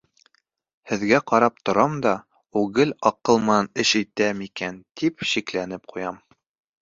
Һеҙгә ҡарап торам да, ул гел аҡыл менән эш итә микән, тип шикләнеп ҡуям.